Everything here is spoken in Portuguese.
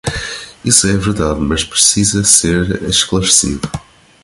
Isso é verdade, mas precisa ser esclarecido.